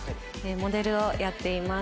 モデルをやっています。